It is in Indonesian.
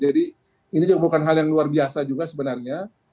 jadi ini juga bukan hal yang luar biasa juga sebenarnya